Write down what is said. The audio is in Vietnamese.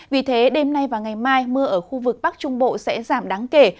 vì thế đêm nay và ngày mai mưa ở khu vực bắc trung bộ sẽ giảm đáng kể